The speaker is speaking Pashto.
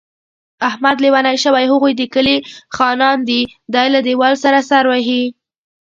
احمد لېونی شوی، هغوی د کلي خانان دي. دی له دېوال سره سر وهي.